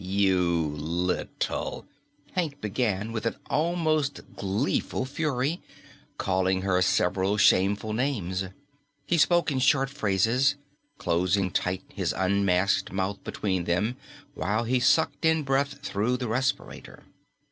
"You little " Hank began with an almost gleeful fury, calling her several shameful names. He spoke in short phrases, closing tight his unmasked mouth between them while he sucked in breath through the respirator.